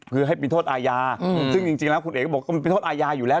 คือให้มีโทษอายาซึ่งจริงจริงแล้วคุณเอ๋ก็บอกว่ามันมีโทษอายาอยู่แล้ว